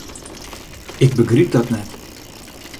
Ik begryp dat net.